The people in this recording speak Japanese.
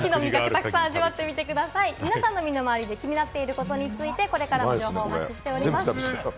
皆さんの身の回りで気になっていることについて、これからも情報をお待ちしております。